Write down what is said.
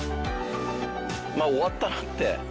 まあ終わったなって。